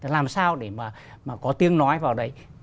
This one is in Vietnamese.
làm sao để mà có tiếng nói vào đấy